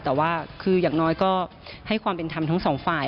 แต่ว่าคืออย่างน้อยก็ให้ความเป็นธรรมทั้งสองฝ่าย